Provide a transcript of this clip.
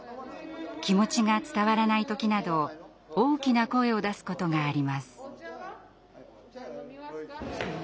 気持ちが伝わらない時など大きな声を出すことがあります。